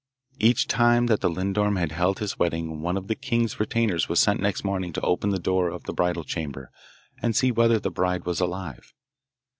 Each time that the lindorm had held his wedding one of the king's retainers was sent next morning to open the door of the bridal chamber and see whether the bride was alive.